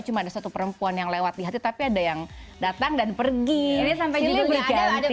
cuma ada satu perempuan yang lewat di hati tapi ada yang datang dan pergi